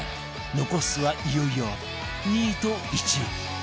残すはいよいよ２位と１位